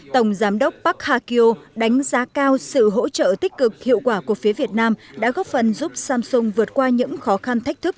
tổng giám đốc park ha kyo đánh giá cao sự hỗ trợ tích cực hiệu quả của phía việt nam đã góp phần giúp samsung vượt qua những khó khăn thách thức